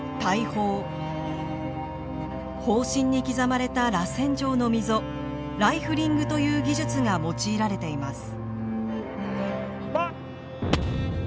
砲身に刻まれたらせん状の溝ライフリングという技術が用いられています。